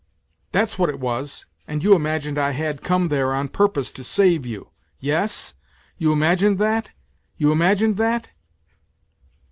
... That's what it was, and you imagined I had come there on purpose to save you. Yes 1 You imagined that ? You imagined that